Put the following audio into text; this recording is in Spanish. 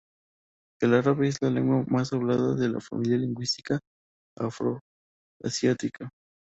El árabe es la lengua más hablada de la familia lingüística afroasiática.